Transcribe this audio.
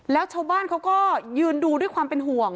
แล้วชาวบ้านเขาก็ยืนดูด้วยความเป็นห่วง